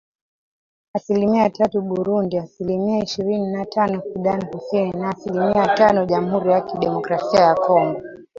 Asilimia tatu Burundi ,asilimia ishirini na tano Sudan Kusini na asilimia tano Jamhuri ya Kidemokrasia ya Kongo.